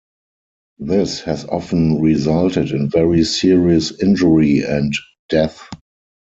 This has often resulted in very serious injury and death.